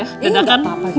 eh ini gak apa apa dong